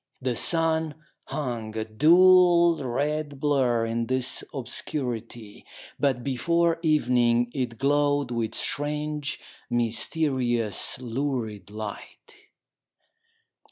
The sun hung, a dull red blur in this obscurity ; but before evening it glowed with strange, mysterious, lurid light.